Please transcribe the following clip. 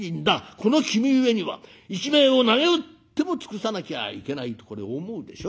この君上には一命をなげうっても尽くさなきゃいけない』とこれ思うでしょ？